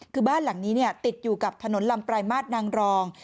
คือบ้านหลังนี้ติดอยู่กับถนนลำปลายมาตรนางรอง